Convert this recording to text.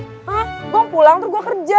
hah gue pulang terus gue kerja